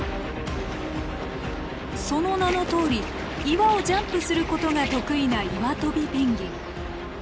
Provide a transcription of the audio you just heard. その名のとおり岩をジャンプすることが得意なイワトビペンギン。